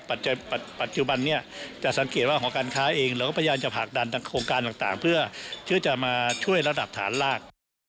ปัจจุบันนี้จะสังเกตว่าหอการค้าเองเราก็พยายามจะผลักดันทางโครงการต่างเพื่อที่จะมาช่วยระดับฐานลาก